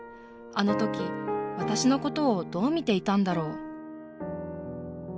あの時私のことをどう見ていたんだろう。